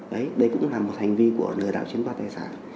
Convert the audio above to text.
đấy đây cũng là một hành vi của lừa đảo chiếm đoạt tài sản